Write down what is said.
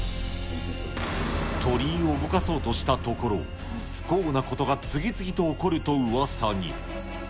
鳥居を動かそうとしたところ不幸なことが次々と起こるとうわさに。